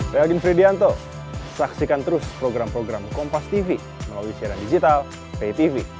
saya rasa ini adalah hal yang terbaik